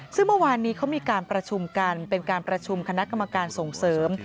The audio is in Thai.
ซึ่งเมื่อวานนี้เขามีการประชุมกันเป็นการประชุมคณะกรรมการส่งเสริม